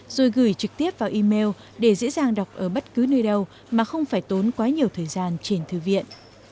rồi gửi trực tiếp vào email để dễ dàng đọc ở bất cứ nơi đâu mà không phải tốn quá nhiều thời gian trên thư viện